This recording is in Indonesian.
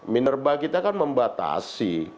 minerba kita kan membatasi